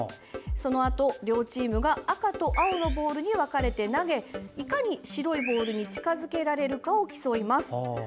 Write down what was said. そのあと、両チームが赤と青のボールに分かれて投げいかに白いボールに近づけられるかを競います。